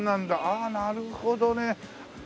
ああなるほどね。